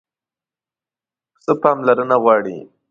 پسه پاملرنه غواړي.